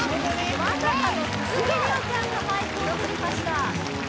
まさかの鈴木梨央ちゃんがマイクをとりました